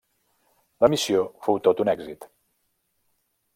La missió fou tot un èxit.